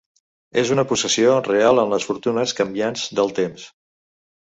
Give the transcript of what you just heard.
És una possessió real en les fortunes canviants del temps.